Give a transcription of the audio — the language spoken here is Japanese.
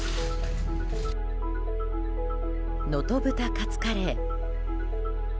能登豚カツカレー。